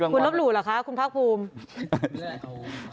คุณลบหลู่เหรอคะคุณภาคภูมิ